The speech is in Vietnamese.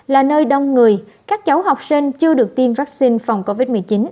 là nơi đông người các cháu học sinh chưa được tiêm vaccine phòng covid một mươi chín